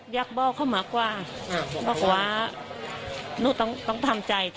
อยากบอกเขามากกว่าบอกว่าหนูต้องทำใจ